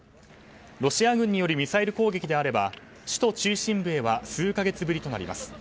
ロシア軍によるミサイル攻撃であれば首都中心部へは数か月ぶりとなります。